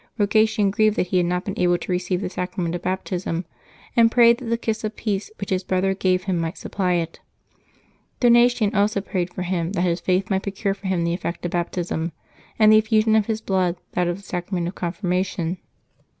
Eogatian grieved that he had not been able to receive the Sacrament of Baptism, and prayed that the kiss of peace which his brother gave him might supply it. Donatian also prayed for him that his faith might procure for him the effect of Baptism, and the effusion of his blood that of the Sacrament of Confirma tion.